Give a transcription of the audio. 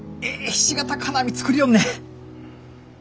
ひし形金網作りよんねん。